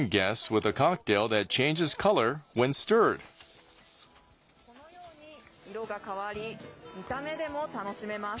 このように色が変わり見た目でも楽しめます。